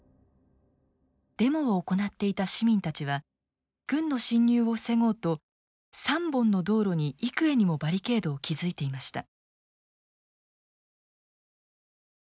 デモを行っていた市民たちは軍の侵入を防ごうと３本の道路に幾重にもバリケードを築いていました。